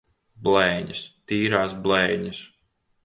Blēņas! Tīrās blēņas!